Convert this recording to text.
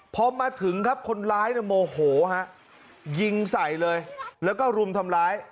พอมาถึงครับคนร้ายเนี่ยโมโหฮะยิงใส่เลยแล้วก็รุมทำร้าย